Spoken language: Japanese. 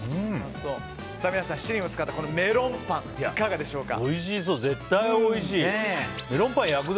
皆さん、七輪を使ったメロンパンいかがでしょうか？